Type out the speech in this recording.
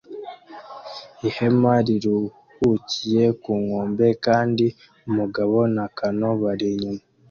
Ihema riruhukiye ku nkombe kandi umugabo na kano bari inyuma